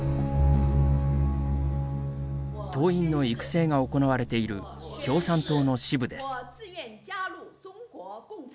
党員の育成が行われている共産党の支部です。